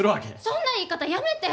そんな言い方やめて！